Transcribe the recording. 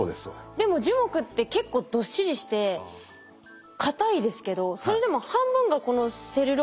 でも樹木って結構どっしりしてかたいですけどそれでも半分がこのセルロースっていうことですよね。